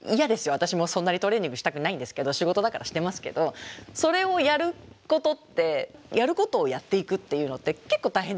私もそんなにトレーニングしたくないんですけど仕事だからしてますけどそれをやることってやることをやっていくっていうのって結構大変じゃないですか。